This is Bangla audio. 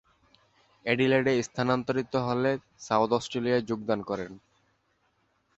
অ্যাডিলেডে স্থানান্তরিত হলে সাউথ অস্ট্রেলিয়ায় যোগদান করেন।